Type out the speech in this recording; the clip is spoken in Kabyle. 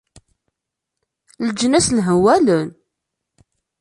Leǧnas nhewwalen.